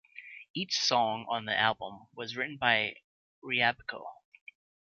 Each song on the album was written by Riabko.